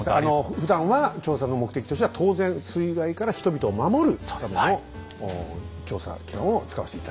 ふだんは調査の目的としては当然水害から人々を守るための調査機関を使わせて頂いた。